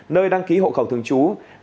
nơi đăng ký hộ khẩu thường chú